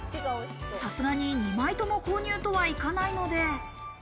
さすがに２枚とも購入とはいかないので。